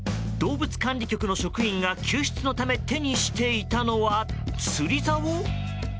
動物管理局の職員が救出のため手にしていたのは、釣りざお？